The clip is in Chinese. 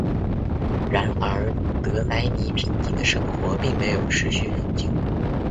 然而德莱尼平静的生活并没有持续很久。